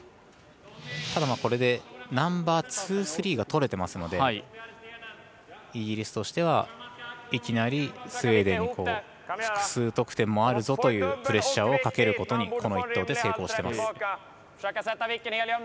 ただ、これでナンバーツー、スリーがとれていますのでイギリスとしてはいきなりスウェーデンに複数得点もあるぞというプレッシャーをかけることにこの１投で成功しています。